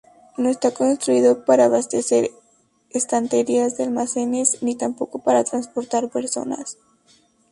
No está construido para abastecer estanterías de almacenes ni tampoco para transportar personas.